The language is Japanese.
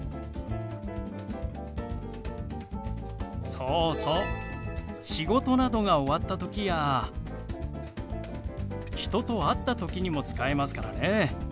そうそう仕事などが終わった時や人と会った時にも使えますからね。